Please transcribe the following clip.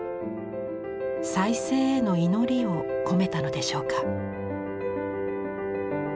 再生への祈りを込めたのでしょうか。